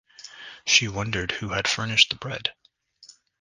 She wondered who had furnished the bread?